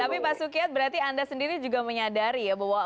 tapi pak sukiat berarti anda sendiri juga menyadari ya bahwa